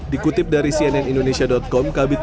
dikutip dari cnnindonesia com